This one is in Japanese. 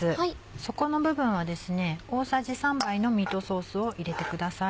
底の部分は大さじ３杯のミートソースを入れてください。